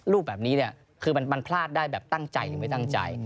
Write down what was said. รูปแบบนี้เนี่ยคือมันพลาดได้แบบตั้งใจหรือไม่ตั้งใจ